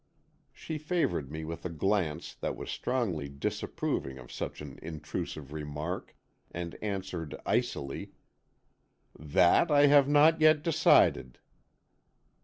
She favoured me with a glance that was strongly disapproving of such an intrusive remark, and answered, icily: "That I have not yet decided."